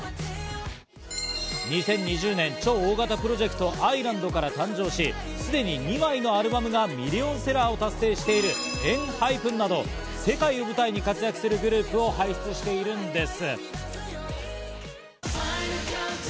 ２０２０年、超大型プロジェクト『Ｉ−ＬＡＮＤ』から誕生し、すでに２枚のアルバムがミリオンセラーを達成しているＥＮＨＹＰＥＮなど、世界を舞台に活躍するグループを輩出しているんです。